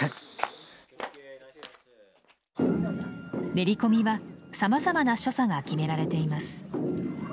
練り込みはさまざまな所作が決められています。